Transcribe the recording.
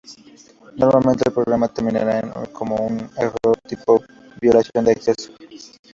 Normalmente el programa terminará con un error del tipo violación de acceso.